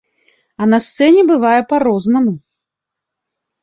А на сцэне бывае па-рознаму.